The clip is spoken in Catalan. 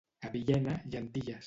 A Villena, llentilles.